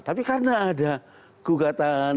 tapi karena ada gugatan